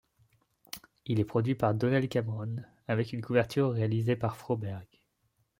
Il est produit par Donnell Cameron, avec une couverture réalisée par Froberg.